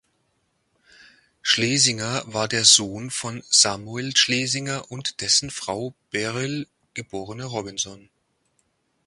Schlesinger war der Sohn von Samuel Schlesinger und dessen Frau Beryl (geborene Robinson).